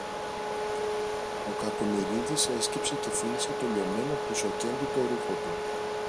Ο Κακομοιρίδης έσκυψε και φίλησε το λιωμένο χρυσοκέντητο ρούχο του.